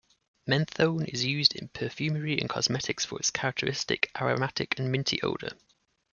Menthone is used in perfumery and cosmetics for its characteristic aromatic and minty odor.